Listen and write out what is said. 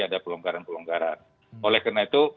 ada pelonggaran pelonggaran oleh karena itu